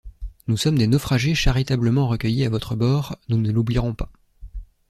Nous sommes des naufragés charitablement recueillis à votre bord, nous ne l’oublierons pas.